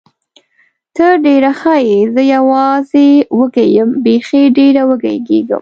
ته ډېره ښه یې، زه یوازې وږې یم، بېخي ډېره وږې کېږم.